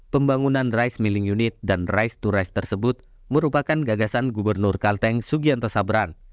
pembangunan rice milling unit dan rice to rice tersebut merupakan gagasan gubernur kalteng sugianto sabran